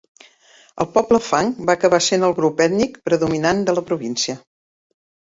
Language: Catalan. El poble Fang va acabar sent el grup ètnic predominant de la província.